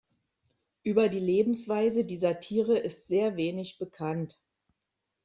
Über die Lebensweise dieser Tiere ist sehr wenig bekannt.